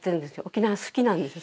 沖縄好きなんです。